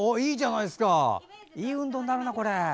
いい運動になるな、これ。